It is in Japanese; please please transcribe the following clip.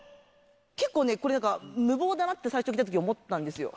結構ね、これなんか、無謀だなって、最初聞いたとき思ったんですよ。